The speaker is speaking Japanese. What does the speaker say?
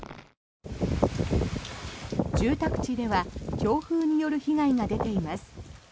住宅地では強風による被害が出ています。